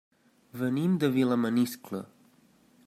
Venim de Vilamaniscle.